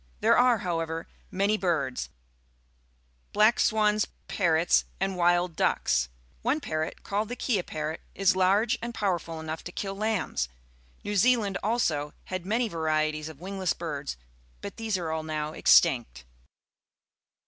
There are, however, many birds — black swajis^ parrotSjjmd wild ducks. One parrot, called the kea parrot, is large and powerful enough to kill lambs. New Zealand, also, had many varieties of wmgless birds, but these are all now extinct.